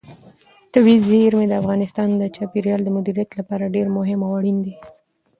طبیعي زیرمې د افغانستان د چاپیریال د مدیریت لپاره ډېر مهم او اړین دي.